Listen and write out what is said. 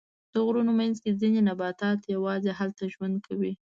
د غرونو منځ کې ځینې نباتات یواځې هلته ژوند کوي.